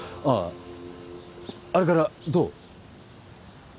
ああれからどう？